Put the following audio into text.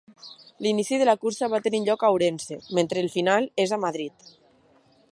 L'inici de la cursa va tenir lloc a Ourense, mentre el final és a Madrid.